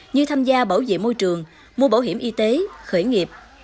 như tham gia bảo vệ môi trường mua bảo hiểm y tế khởi nghiệp